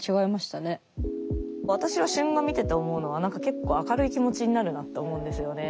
私は春画見てて思うのは何か結構明るい気持ちになるなと思うんですよね。